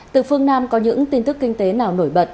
từ phương nam có những tin tức kinh tế nào nổi bật